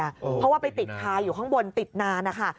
เพราะว่าไปติดคาอยู่ข้างบนติดนานนะคะ